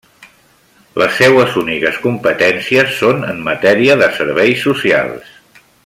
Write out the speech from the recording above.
Les seues úniques competències són en matèria de serveis socials.